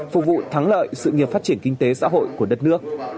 phục vụ thắng lợi sự nghiệp phát triển kinh tế xã hội của đất nước